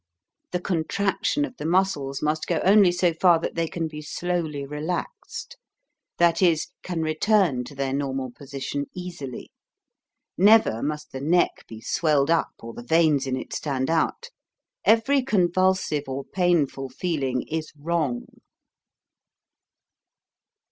The contraction of the muscles must go only so far that they can be slowly relaxed ; that is, can return to their normal position easily. Never must the neck be swelled up, or the veins in it stand out. Every convulsive or painful feeling is wrong.